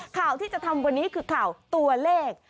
ข่าวที่จะทำวันนี้คือข่าวตัวเลข